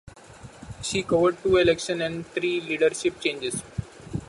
She covered two election and three leadership changes.